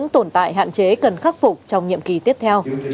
tổn tại hạn chế cần khắc phục trong nhiệm kỳ tiếp theo